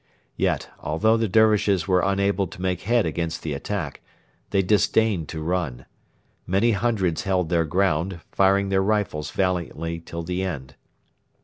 Yet, although the Dervishes were unable to make head against the attack, they disdained to run. Many hundreds held their ground, firing their rifles valiantly till the end.